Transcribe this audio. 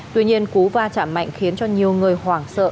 tuy nhiên cú va chạm mạnh khiến cho nhiều người hoảng sợ